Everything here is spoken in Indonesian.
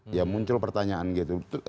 ya muncul pertanyaan gitu